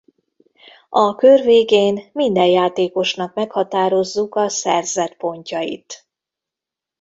A kör végén minden játékosnak meghatározzuk a szerzett pontjait.